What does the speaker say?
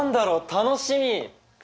楽しみ！